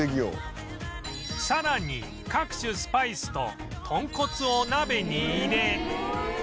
さらに各種スパイスと豚骨を鍋に入れ